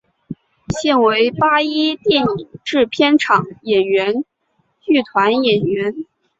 现为八一电影制片厂演员剧团演员。